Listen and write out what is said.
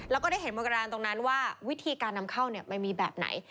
แล้วก็ได้เห็นมรกระดานตรงนั้นว่าวิธีการนำเข้ามันมีแบบไหน